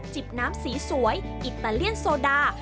บน้ำสีสวยอิตาเลียนโซดา